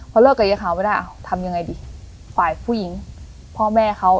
พอเลิกกับยายขาวไม่ได้ทำยังไงดีฝ่ายผู้หญิงพ่อแม่เขา